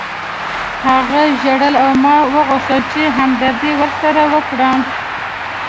هغې ژړل او ما غوښتل چې همدردي ورسره وکړم